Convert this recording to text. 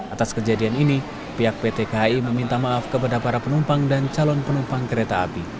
atas kejadian ini pihak pt kai meminta maaf kepada para penumpang dan calon penumpang kereta api